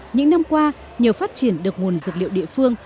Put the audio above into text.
những năm qua nhờ phát triển được nguồn dược liệu địa phương